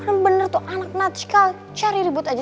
bener bener tuh anak nacikalnya cari ribut aja sama gue